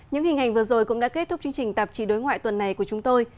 những hình ảnh vừa rồi cũng đã kết thúc chương trình tạp chí đối ngoại tuần này của chúng tôi